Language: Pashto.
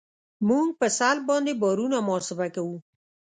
موږ په سلب باندې بارونه محاسبه کوو